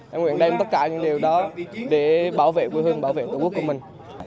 em nguyện đem tất cả những điều đó để bảo vệ quê hương bảo vệ tổ quốc của mình